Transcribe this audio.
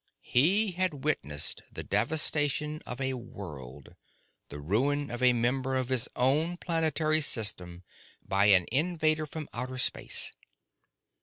He had witnessed the devastation of a world, the ruin of a member of his own planetary system by an invader from outer space.